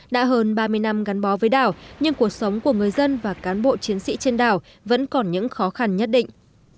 đã hơn ba mươi năm gắn bó với đảo nhưng cuộc sống của người dân và cán bộ chiến sĩ trên đảo vẫn còn những khó khăn nhất định